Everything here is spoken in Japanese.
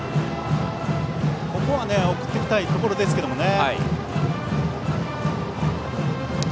ここは送っていきたいところですね。